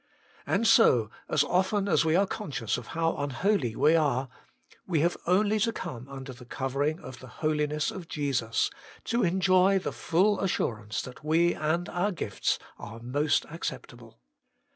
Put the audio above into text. And so, as often as we are conscious of how unholy we are, we have only to come under the covering of the Holiness of Jesus, to enjoy the full assurance that we and our gifts are most ac ceptable.